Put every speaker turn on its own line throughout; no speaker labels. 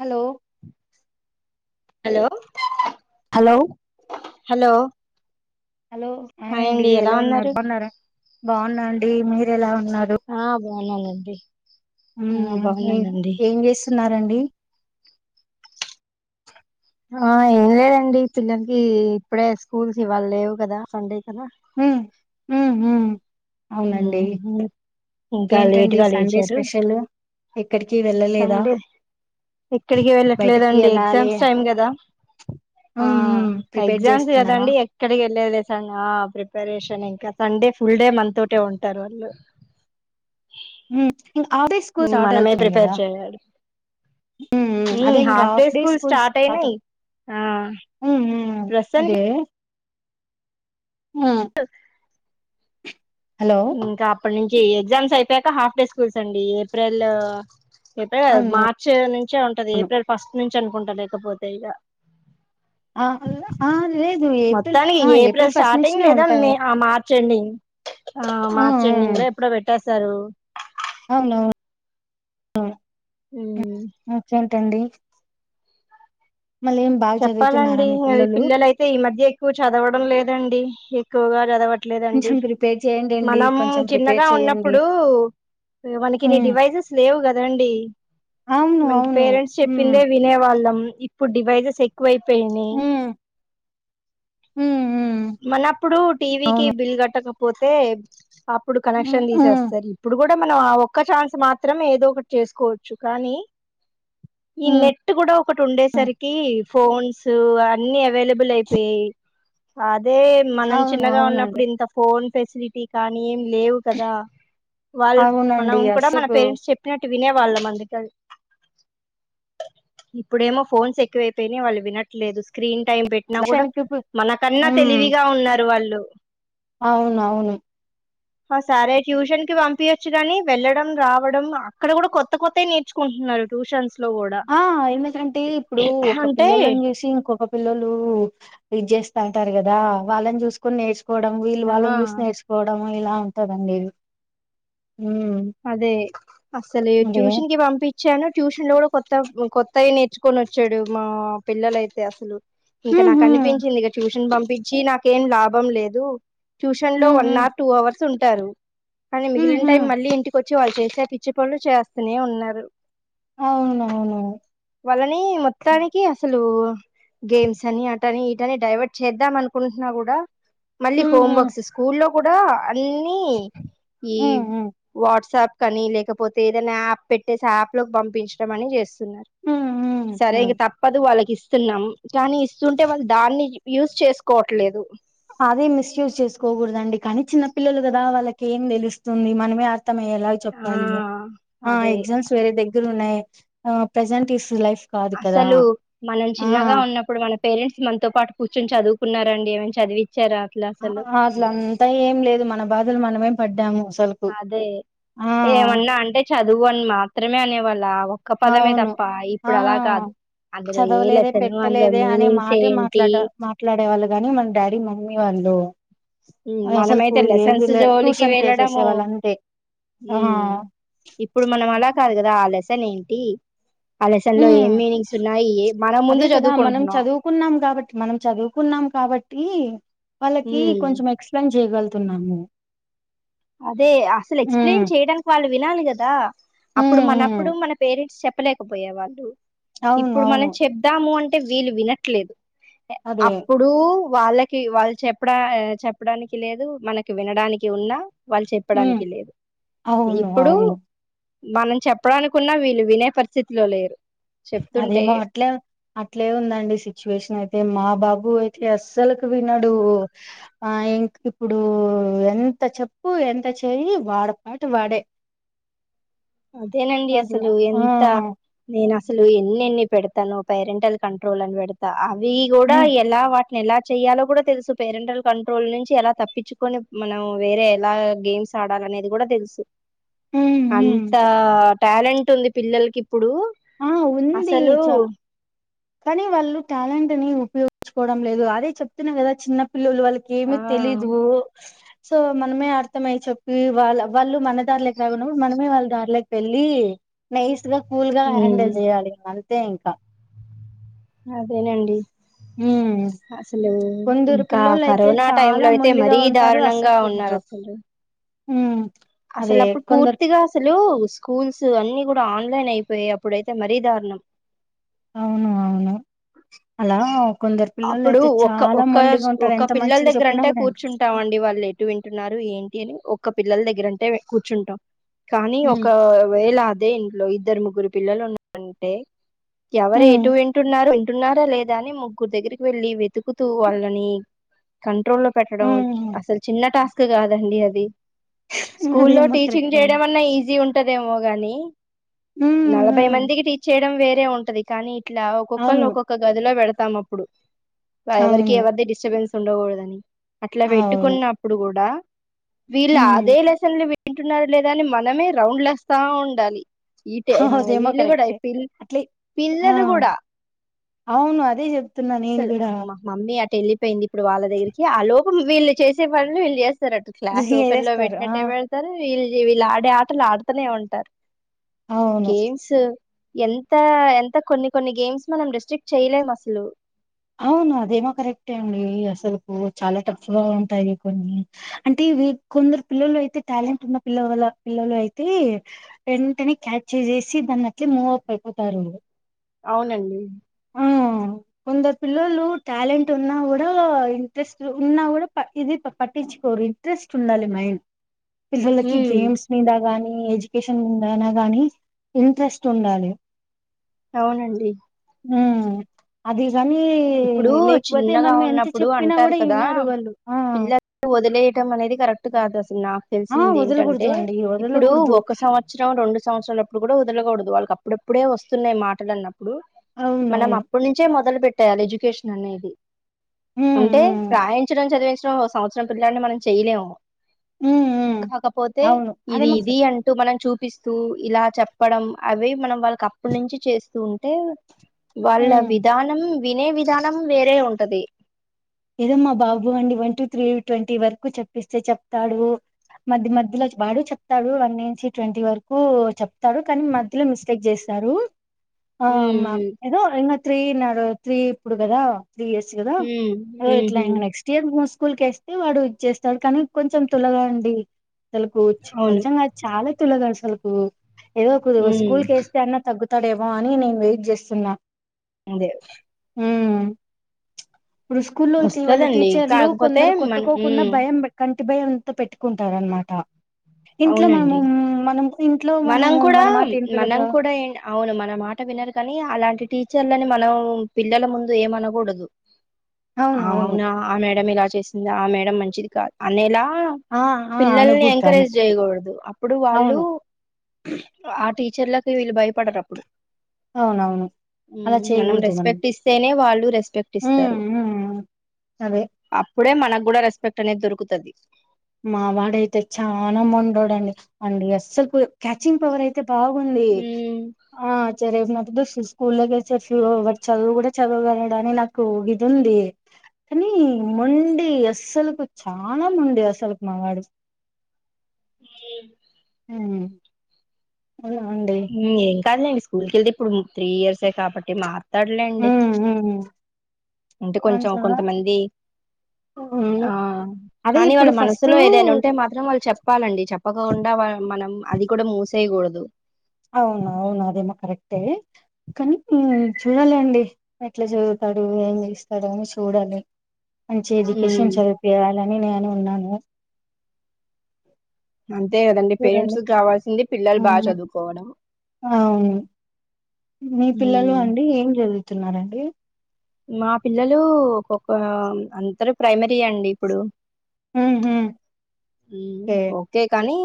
Hello
hello
hello
hello
hello ఆయ్ అండి ఎలా ఉన్నారు బాన్నారా బా ఉన్నాండి మీరు ఎలా ఉ ఉన్నారు
బావున్నానండి
ఏం చేస్తున్నారండి.
ఆ ఏం లేదండి పిల్లల్కి ఇప్పుడె స్కూల్స్ ఇవాళ లేవు కదా సండే కదా
హ్మ్ హుమ్మ్
హ్మ్ హు ఇంకా
ఇంకేంటండి
లేట్గా
సండే
లేచారు.
స్పెషల్ ఎక్కడికి వెళ్ళలేదా
సండే ఎక్కడికి
బయటికి
వెళ్ళట్లేదండి.
వెళ్ళాలి
ఎగ్జామ్స్ టైమ్ కదా ఆ
ఉమ్ ఉమ్ ప్రిపేర్
ఎగ్జామ్స్
చేస్తున్నారా
కదండి ఎక్కడికి లేద్లే సం ఆ ప్రిపరేషన్ ఇంకా సండే ఫుల్ డే మన తో ఇటే ఉంటారు వాళ్ళు
హ్మ్ హాఫ్ డే స్కూల్
ఉమ్,
స్టార్ట్
మనమే
అవుతున్నాయి
ప్రిపేర్
కదా,
చేయాలి
ఉ ఉ అదే ఇంక, హాఫ్ డే స్కూల్స్ స్టార్ట్ అవు
ఆ
ఉ ఉమ్మ్
ప్రస్తుతానికి
అదే. ఉహుమ్.
ఇంకా. అప్పడ్ నుంచి ఎగ్జామ్స్ అయిపోయాక, హాఫ్ డే స్కూల్స్ అండి ఏప్రిల్. [unintelligible]
అవును అవును
మార్చ్ నుంచే ఉంటది, ఏప్రిల్ ఫస్ట్ నుంచ్. ర్చ్ అనుకుంట లేకపోతే ఇగ.
ఆ అల్ల ఆ లేదు, ఏప్రిల్,
మొత్తానికి
ఆ ఏప్రిల్ ఫస్ట్
స్టార్టింగ్
నుంచినే
లేదా
ఉంటాయి.
మే ఆ మార్చ్ ఎండింగ్ ఆ మార్చ్ ఎండింగ్ లో, ఎప్పుడో పెట్టర్. సరు.
అవునవ్ ను. మ్ హుమ్ చల్. టండి.
చెప్పాలండి, ఈ పిల్లలయితే ఈ మధ్య ఎక్కువ చదవడం లేదండి. ఎక్కువగా చదవట్. ఎట్లేదండి,
కొంచెం ప్రిపేర్ చేయండండి
మనం
కొంచెం ప్రిపేర్
చిన్నగా
చెయ్యండి
ఉన్నప్పుడు మనకి ఇన్ని
ఉమ్
డివైసెస్ లేవు కదండీ.
అవును
మనకి
అవును
పేరెంట్స్
ఉమ్
చెప్పిందే వినేవాళ్ళం. ఇప్పుడ్ డివైజేస్. చెక్ వైప్. పేయినాయి.
ఉమ్ ఉమ్. ఉమ్
మనప్పుడు, టీవీ కిి
అవును
బిల్ గట్టక్ ప్. పోతే. అప్పుడు
ఉమ్
కనెక్షన్
ఉమ్
దిసేస్తారు, ఇప్పుడు గుడ్. అంటే మనం ఆ ఒక్క ఛాన్స్ మాత్రమే, ఏదో ఒకటి చేసుకోవచ్చు కానీ, ఈ
ఉమ్
నెట్ గూడా, ఒకట్
ఉమ్
ఉండేసరికి. ఫోన్స్, అన్ని అవైలబ్. బుల్ అయిపోయాయి. ఆద్. అదే, మనం
అవును
చిన్నగా
అవునండి
ఉన్నప్పుడు ఇంత ఫోన్. ఫెసిలిటీ కానీ, ఏం లేవు కదా. వాళ్ల్
అవునండి
మనం కూడా మన
అసలుకు
పేరెంట్స్ చెప్పినట్టు. వినే వాళ్ళం అందుకని. ఇప్పుడేమో ఫోన్స్ ఎక్కువైపోయినాయి వాళ్లు వినట్లేదు, స్క్రీన్ టైం పెట్టినా గూడా,
లక్షానికి ఇప్పుడు
మనక్. ఉన్న తెలివిగా ఉన్నారు వాళ్లు
అవునవును
హ సరే ట్యూషన్ కి పంపింయొచ్చు గాని వెళ్ళడం రావడం అక్కడ కూడా కొత్త కొత్తయి నేర్చుకుంటున్నారు ట్యూషన్స్ లో కూడా
ఆ ఎందుకంటే ఇప్పుడు ఒక
అంటే
పిల్లొల్లని చూసి ఇంకొక పిల్లొలు ఇది చేస్తాంటారు కదా వాళ్లని చూసుకొని నేర్చు కోవడం వీళ్లు
ఆ
వాళ్ళని చూసి నేర్చుకోవడం ఆ ఇలా ఉంటదండి ఉమ్
అదే అస్సలే
అదే
ట్యూషన్ కి పంపిం చ్చాను ట్యూషన్ లో కూడా కొత్త కొత్తయి నేర్చుకొని వచ్చాడు మా పిల్లలైతే అసలు ఇంక
ఉమ్
నాకి
ఉమ్
అనిపించింది ఇగ ట్యూషన్ పంప్ పించి నాకేం లాభం లేదు ట్యూషన్ లో
um
one
um
or two hours ఉంటారు కానీ
ఉమ్
మిగిలిన టైం
ఉమ్
మళ్ళీ ఇంటి వచ్చి వాళ్ళు చేసే పిచ్చి పనులు చేస్తనే ఉన్నారు
అవునవును
వాళ్ళని
ఉమ్
మొత్తానికి అసలు గేమ్స్ అని అటని ఇటని డైవర్ట్ చేద్దాం అనుకుంటున్నా కూడా మళ్ళీ
ఉమ్
హోమ్ వర్క్స్ స్కూల్లో కూడా అన్నీ ఈ
ఉమ్ ఉమ్
వాట్సాప్ కని లేకపోతే ఏదైనా యాప్ పెట్టేసి యాప్ లోకి పంపించడం అని చేస్ తున్నారు
ఉమ్ ఉమ్
సరే
ఉమ్
ఇగ తప్పదు వాళ్ళకి స్ ఇస్తున్నాం కానీ ఇస్తుంటే వాళ్ళు దాన్ని యూజ్ చేసుకోవట్లేదు
అదే మిస్యూజ్ చేసుకోకూడదండి కానీ చిన్న పిల్లలు కదా వాళ్ళకి ఏం తెలుస్తుంది మనమే అర్థం అయ్యేలాగ
ఆ
చెప్పాలి ఆ
అదే
ఎగ్జామ్స్ వేరే దగ్గి దగ్గర ఉన్నాయి ప్రజెంట్ ఈ ఫ్ లైఫ్ కాదు కదా
అస్సలు మనం
ఆ
చిన్నగా ఉన్నప్పుడు మనం పేరెంట్స్ మనతో పాటు కూర్చొని చదువుకున్నారండి ఏమైన చదివి
ఆ అట్ల అంతా ఏం లేదు మన బాధలు మనమేం పడ్డాము అసలుకు
అదే
ఆ
ఏమన్నా అంటే చదువు అని మాత్రమే అనేవాళ్ లావు ఒక్క పదమే
అవును
తప్ప
ఆ
ఇప్పుడు అలా కాదు అందులో ఏ
చదవలేదే
లెసను అందులో
పెట్టలేదే
మీనింగ్స్ ఏంటి
గానీ మన డాడీ మమ్మీ వాళ్ళు అసలుకు
మనమైతే
ఏది
లెసన్స్
లే
జోలికి
ట్యూషన్ కేసేసే
వెళ్ళడము
వాళ్ళు అంతే ఆ
హ్మ్మ్ ఇప్పుడు మనం అలా కాదు కదా ఆ లసన్ ఏంటి ఆ లెసన్
ఉ
లో ఏం మీనింగ్స్ ఉన్నాయి మన ముందు
అదే కదా మనం
చదువుకుంటున్నాం
చదువుకున్నాం కాబట్టి మనం చదువుకున్నాం కాబట్టి వాళ్ళకి
ఉమ్,
కొంచెం ఎక్స్ప్లెయిన్ చేయగలగు తున్నాము
అదే అసలు ఎక్స్ప్లెయిన్ చేయడానికి వాళ్ళు వినాలి కదా అప్పుడు
ఉమ్ ఉమ్
మనప్పుడు మన పేరెంట్స్ చెప్ప చెప్పలేకపోయే వాళ్ళు
అవును
ఇప్పుడు మనం
అవును
చెబదాము అంటే అంటే వీలు వినట్లేదు
అదే
అప్పుడు వాళ్ళకి వాళ్ళు చెప్పడా చెప్పడానికి లేదు మనకి వినడానికి ఉన్నా వాళ్ళు
ఉమ్
చెప్పడానికి లేదు
అవును
ఇప్పుడు
అవును
మనం చెప్పడానుకున్నా వీళ్ళు వినే పరిస్థితిలో లేరు చెప్తుంటే
అదేమో అట్లే అట్లే ఉందండి సిచ్యువేషన్ అయితే మా బాబు అయితే అస్సలుకు విన్నాడు ఆ ఇంక ఇప్పుడు ఎంత చెప్పు ఎంత చెయి వాడపాటి వాడే
అదేనండి
అట్లా
అసలు
ఆ
ఎంత నేనా అసలు ఎన్ని ఎన్ని పెడతాను పేరెంటల్ కంట్రోల్ అని పెడతా అవి కూడా
ఉమ్
ఎలా వా ఎలా చెయ్యాలో కూడా తెలుసు పేరెంటల్ కంట్రోల్ నుంచి ఎలా తప్పించుకొని మనం వేరే ఎలా గేమ్స్ ఆడాల అనేది కూడా తెలుసు
హ్మ్మ్
అంత టాలెంట్ ఉంది పిల్లలకి ఇప్పుడు
ఆ ఉంది
అసలు
చ కానీ వాళ్ళు టాలెంట్ ని ఉపయోగించుకోవడం లేదు అదే చెప్తున్నా కదా చిన్న పిల్లలు వాళ్ళకి ఏమిీ
ఆ
తెలీదు సో మనమే అర్థమ అయ్యి చెప్పి వాళ్ళ వాళ్ళు మన దారిలోకి రాకున్నప్పుడు మనమే వాళ్ళ దారిలోకి వెళ్ళి నైస్ గా ఫూల్గా
ఉమ్
హ్యాండిల్ చేయాలి మళ్ళ అంతే ఇంకా
అదేనండి
ఉమ్
అసలు
కొందరు
ఇంకా
పిల్లోళ్ళు అయితే
కరోనా టైమ్
చాలా
లో అయితే
మొండిగా
మరీ దారుణంగా ఉన్నారు అసలు
హ్మ్మ్
అసలు అప్పుడు పూర్తిగా అసలు స్కూల్స్ అన్ని కూడా ఇప్పుడు ఆన్లైన్ అయిపోయి అప్పుడైతే మరీ దారుణం
అవును అవును అలా కొందరు పిల్లోళ్ళు
అప్పుడు
అయితే
ఒక
చాలా
ఒక
మొండిగా ఉంటారు
ఒక
ఎంత
పిల్లల
మంచిగా
దగ్గర
చెప్పినా
అంటే
కూడా
కూర్చుంటాంఅండి వాళ్ళు ఎటు వింటున్నారు ఏంటి అని ఒక్క పిల్లల దగ్గరంటే కూర్చుంటాం కానీ
ఉమ్
ఒకవేళ అదే ఇంట్లో ద్దధరు ముగ్గురు పిల్లలు ఉన్నంటే ఎవరు
ఉమ్
ఎటు వింటున్నారు అంటున్నార లేదా అని ముగ గుడి దగ్గరికి వెళ్ళి వెతుకుతూ వాళ్ళని క [unintelligible] లో పెట్టడం
ఉమ్
అసలు చిన్న టాస్క్ [unintelligible] కాదండి అది స్కూల్లో
అదేమో
టీచింగ్
కరెక్టే అండి
చేయడం అన్నా ఈజీ ఉంటు టదేమో గాని
ఉమ్
నలభై
ఉమ్
మందికి టీచ్ చేయ వేరే ఉంటది కానీ ఇట్లా ఒక్కొక్కరిని
అవును
ఒక్కొక్క గదిలో పెడత తమ ఇప్పుడు ఎవరికి
అవును
ఎవది డిస్టబెన్స్ ఉండకూడదని అట్లా
అవును
పెట్టుకున్నప్పుడు కూడా వీళ్ళు
ఉమ్
అదే లెసన్ లు తింటున్నారు లేదా అని మనమే రౌండ్లెస్తా ఉండాలి ఈ
అదేమో
వీళ్ళు కూడా
కరెక్టే
పిల్
అట్లీ ఆ
పిల్లలు కూడా
అవును అదే చెప్తున్నా నేను
అసలు
కూడా
అమ్మ మమ్మీ అ ఎళ్లిపోయింది ఇప్పుడు వాళ్ళ దగ్గరికి ఆ లోపు వీళ్ళు చేసే పనులు వీళ్ళు చేస్త సార్ అటు
అది
క్లాస్ ఓపెన్ లో
చేసేస్తారు ఆ
పెట్టినట్టు ఏమ వెళ్తారు వీళ్ళు వీళ్ళ ఆడే ఆటలు ఆడుతూనే ఉంటారు
అవును
గేమ్స్ ఎంత ఎంత కొన్ని కొన్ని గేమ్స్ మనం డిస్ట్రిక్ట్ చేయలేం అసలు
అవును అదేమో కరెక్టే అండి అసలు కుచాలా టఫ్ గా ఉంటాయి కొన్ని అంటే ఇవి కొందరు పిల్లలు అయితే టాలెంట్ ఉన్న పిల్లల వల్ల పిల్లలు అయితే వెంటనే క్యాచ్ చేసేసి దాన్ని అట్లే మూవ్ అప్ అయిపోతారు
అవునండి
మ్ కొందరు పిల్లలు టాలెంట్ ఉన్నా కూడా ఇంట్రెస్ట్ ఉన్నా కూడా ఇది పట్టించుకోరు ఇంట్రెస్ట్ ఉండాలి మెయిన్ పిల్లకి
ఉమ్
గేమ్స్ మీదా గానీ ఎడ్యుకేషన్ మీందైనా గానీ ఇంట్రెస్ట్ ఉండాలి
అవునండి
మ్... అది కాని
ఇప్పుడు
లేకపోతే
చిన్నగా
మనం ఎంత
ఉన్నప్పుడు
చెప్పినా
అంటారు
కూడా
కదా
వినరు వాళ్ళు ఆ
పిల్లలు వదిలేయటం అనేది కరెక్ట్ కాదా నాకు
ఆ
తెలిసిినది
వదలకూడదు
ఏంటంటే
అండి
ఇప్పుడు
వదలకూడదు
ఒక సంవత్సరం రెండు సంవత్సరాల అప్పుడు కూడా కూడదు వాళ్ళకి అప్పుడప్పుడే వస్తున్నాయి మాటలున్న ఇప్పుడు మనం
అవునవును
అప్పుడు నుంచే మొదలు పెట్ యాలి ఎడ్యుకేషన్ అనేది
ఉమ్
అంటే
ఉమ్
ప్రయించడం చదివించ సంవత్రం పిల్లని మనం చేయలేము
ఉమ్ ఉమ్
కాకపోతే
అవును
ఇది
అదేమో
ఇది
కరెక్ట్
అంటూ మనం చూపి పిస్తూ ఇలా చెప్పడం అవి మనం వాళ్ళకప్పనుంచి చేస్తూ ఉంటే వాళ్ళ
ఉమ్
విధానం వినే విధానం వేరే ఉంటది
ఏదొ మా బాబు అండి వన్ టూ త్రీట్వంటీ వరకు చెప్పిస్తే చెప్తాడు మధ్య మధ్యలో వాడు చెప్తడు వన్ నుంచి ట్వంటీ వరకు చెప్తాడు కానీ మధ్యలో మిస్టేక్ చేస్తారు ఆ [unintelligible]
ఉమ్
ఏదో త్రీ నడు త్రీ ఇప్పుడు కమగధ త్రీ ఇయర్స్ గదా
ఉమ్ ఉహు
ఎట్లైన నెక్స్టియర్ ఉమ్ స్కూల్కేస్తే వాడు ఇచ్చేస్తడు కానీ కొంచెం తులగా [unintelligible] అండి అసలుకూచ్
అవును
కొంచంగాద్ చాలా తులగాలు [unintelligible] అసలుకు ఏదోకు
ఉమ్
స్కూల్కేస్తే అన్న తగ్గుత తడేమో అని నేన్ వెయిట్ జేస్తున్న
ముందే
హుమ్ ఇప్పుడు స్కూల్లోతేవాళ
వస్తదండి
టీచర్లు
కాకపోతే
కొందరు
మన
కొట్టుకోకుండా
ఉమ్
భయం అట్టి [unintelligible] భయంతో పెట్టుకుంటారన్మాట ఇంట్లో మనమూ మనం ఇంట్లో మనము
మనంకుడా
మన మాట ఏంటారు కదా
మనంకుడా ఏ అవును మన మాట వినరు కానీ అలాంటి టీచర్లని మనం పిల్లల ముందు ఏమనగూడదు ఆ
అవునవును
అవునా ఆ మేడ ఇలా చేసింద ఆ మేడ మంచిది కాద్ అనేలా మ్
ఆ ఆ అనకూడదు
పిల్లల్నిఎంకరేజ్
అనకూడదు
చేయ్యగుడదు అప్పుడు వాళ్ళు
అవును
ఆ టీచర్లకి వీళ్ళు భయపడరప్పుడు
అవునవును అలా
హ్మ్ మనం
చేయకూడదు
రెస్పెక్ట్ ఇస్తేనే వాళ్ళు రెస్పెక్ట్ ఇస్తారు
ఉమ్ ఉమ్ అదే
అప్పుడే మనకు గుడ రెస్పెక్ట్ తనే దొరుకుతది
మావాడయితే చానా మొండోడండి అండి అస్సలకు క్యాచింగ్ పవర్ అయితే బాగుంది ఆ చేరే మ ఎబిసిస్ స్కూల్లో చర్చి వాడు చదువు కూడా చదవగలడని నాకు ఇది ఉంది కానీ మొండీ అస్సలుకు చాలా మొండి అసలు తలకు మావాడు
ఈ
ఆమ్ అవునా అండి
సర్లెండి స్కూల్కెళ్లి ఇప్పుడు త్రీ ఇయర్సే కాబట్టి మా తడ్లేండి
ఉమ్ ఉమ్
అంటే కొంచెం
దాంట్లో
కొంతమంది
ఉమ్
ఆ
అదే
కానీ
ఇప్పుడు
వాళ్ళ
ఫస్ట్
మనసులో ఏదైనా ఉంటే మాత్రం వాళ్ళు చెప్పాలండి చెప్పకుండా వా మనం అది కూడా మూసేయగూడదు
అవును అవును అదే మా కరెక్టే కానీ చూడలే అండి ఎట్లా చదువుతాడు ఏం చేస్తాడు అని చూడాలి మంచి ఎడ్యుకేషన్
ఉమ్
చదువుపియాలిఅని నేను న్నాను
అంతే కదండి పేరెంట్స్ కావాల్సింది పిల్లలు బాగా
అవును
చదువుకోవడం
అవును మీ పిల్లలు
ఉమ్
అండి ఏం చదువు తూన్నారండి
మా పిల్లలు ఒకొక్క అందరు ప్రైమరీ అండి ఇప్పుడు
ఉహు కే
ఓకే కానీ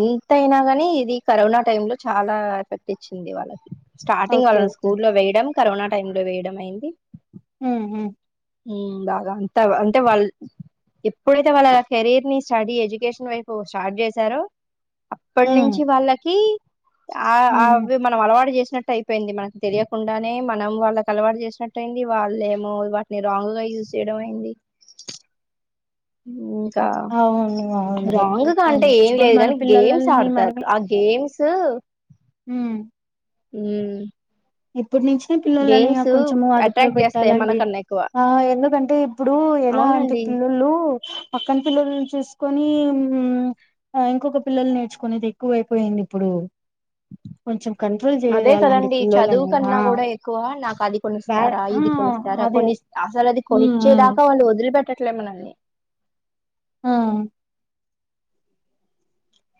ఎంత అయినా గాని ఇది కరోనా టైమ్ లో చాలా ఎఫెక్ట్ ఇచ్చింది వాళ్ళకి స్టార్టింగ్
ఓకే
వాళ్లని
ఓకే
స్కూల్ లో వేయడం కరోనా టైమ్ లో వేయడం అయింది
అహం
ఉమ్ బాగా ఉం టవ అంటే వాళ్ళు ఎప్పుడైతే వాళ్ళ కెరీర్ ని స్టడీ ఎడ్యుకేషన్ వైపు స్టార్ట్ చేశారో
ఉమ్
అప్పటి నుంచి
ఉమ్
వాళ్ళకి ఆ
ఉమ్.
అవి మనం అలవాటు చేస్తే ట్టు అయిపోయింది మనకి తెలియకుండానే మనం వాళ్ళకి అలవాటు చేసినట్ యింది వాళ్ళేమో వాటిని రాంగ్ గా యూజ్ చేయడం అయింది మ్ గా
అవును అవును అదే
రాంగ్ గా
ఓకే
అంటే
అండి
ఏం
చుకోవాలి
లేదు
మన
కానీ గేమ్స్
పిల్లలని
ఆడతారు
మనమే
ఆ గేమ్స్ ఉం
ఇ ఇప్పుడు నుంచే పిల్లల అని కొంచెం అదుపులో
అట్రాక్ట్ చేస్తాయి
పెట్టాలండి
మనకన్నా ఎక్కువ
ఆ ఎందుకంటే ఇప్పుడు ఎలా అంటే
అవునండి
పిల్లలు పక్కన పిల్లలని చూసుకొని కానీ ఉం ఇంకొక పిల్లలు నేర్చుకునేది ఎక్కువైపోయింది ఇప్పుడు కొంచెం కంట్రోల్
అదే
చేయాలండి
కదండి చదువు
పిల్లలని
కన్నా
ఆ
గూడా ఎక్కువ నాకు అది
బ్యా
కొనిస్తారా
ఆ
ఇది కొనిస్తారా
అదే
కొనిస్త కొనిచ్చే
హ్మ్.
దాకా వాళ్ళు వదిలిపెట్ట్ ఎట్టట్లే మనని
ఆ